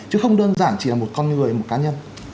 chứ không đơn giản chỉ là một con người một cá nhân